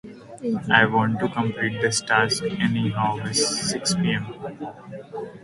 This is one of the earliest examples of boarding known in Finland.